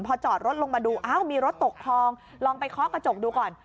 พอจอดรถลงมาดูอ้าวมีรถตกคลองลองไปเคาะกระจกดูก่อน